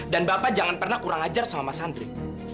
dan bapak jangan pernah kurang ajar sama mas andre